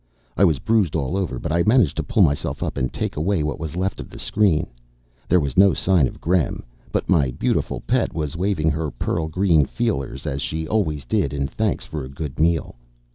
I was bruised all over, but I managed to pull myself up and take away what was left of the screen. There was no sign of Gremm, but my beautiful pet was waving her pearl green feelers as she always did in thanks for a good meal.